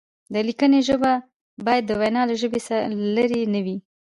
د لیکنې ژبه باید د وینا له ژبې لرې نه وي.